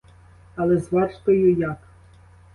Але з вартою як?